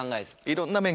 いろんな面